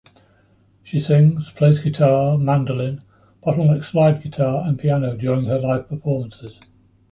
She sings, plays guitar, mandolin, bottleneck slide guitar and piano during her live performances.